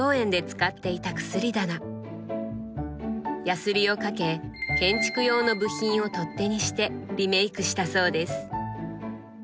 やすりをかけ建築用の部品を取っ手にしてリメークしたそうです。